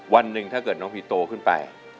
วันหนึ่งถ้าเกิดน้องพีโตขึ้นไป